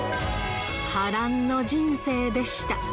波乱の人生でした。